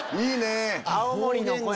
いいね！